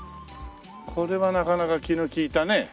これはなかなか気の利いたね。